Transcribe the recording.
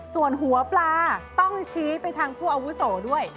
ส่วนหัวปลาต้องชี้ไปทางผู้อาวุโสด้วย